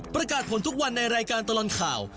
ประกาศผลทุกวันในรายการตลอดข่าว